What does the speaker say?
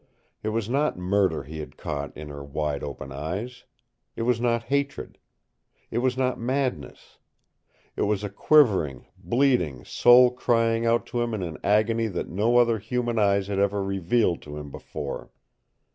It was not murder he had caught in her wide open eyes. It was not hatred. It was not madness. It was a quivering, bleeding soul crying out to him in an agony that no other human eyes had ever revealed to him before.